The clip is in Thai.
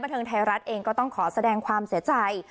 เทิงไทยรัฐเองก็ต้องขอแสดงความเสียใจ